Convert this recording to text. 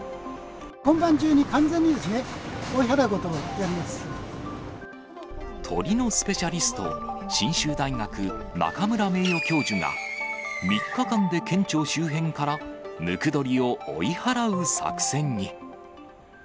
今晩中に、完全に追い払うこ鳥のスペシャリスト、信州大学、中村名誉教授が、３日間で県庁周辺からムクドリを追い払う作戦に。